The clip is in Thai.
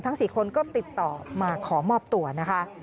๔คนก็ติดต่อมาขอมอบตัวนะคะ